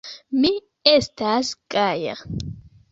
Mi estas gaja.